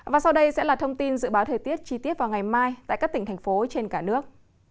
và sau đây sẽ là thông tin dự báo thời tiết chi tiết vào ngày mai tại các tỉnh thành phố trên cả nước